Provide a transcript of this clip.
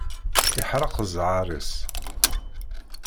Iḥerrek ẓẓher-is.